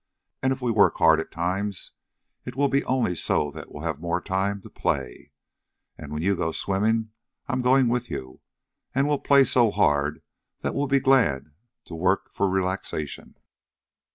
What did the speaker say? And if we work hard at times, it will be only so that we'll have more time to play. And when you go swimming I 'm going with you. And we'll play so hard that we'll be glad to work for relaxation."